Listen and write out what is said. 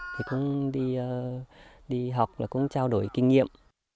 thì cũng đi học là cũng trao đổi kinh nghiệm